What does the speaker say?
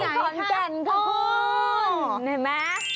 ที่ขอนแก่นครับคุณ